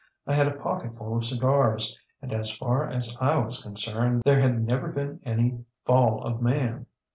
I had a pocketful of cigars, and as far as I was concerned there had never been any fall of man.